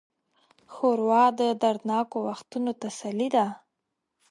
ښوروا د دردناکو وختونو تسلي ده.